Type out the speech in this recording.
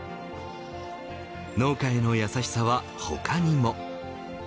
農家への優しさは他にも。